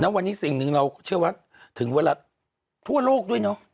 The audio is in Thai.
วันนี้สิ่งหนึ่งเราเชื่อว่าถึงเวลาทั่วโลกด้วยเนอะ